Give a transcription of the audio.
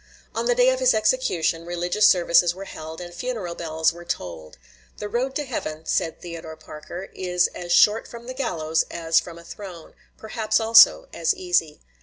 On the day of his execution religious services were held, and funeral bells were tolled. "The road to heaven," said Theodore Parker, "is as short from the gallows as from a throne; perhaps, also, as easy."